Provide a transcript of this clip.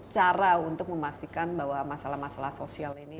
cara untuk memastikan bahwa masalah masalah sosial ini